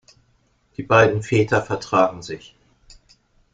Die beiden Väter vertragen sich.